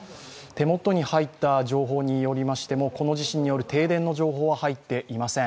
手元に入った情報によりましてもこの地震による停電の情報は入っていません。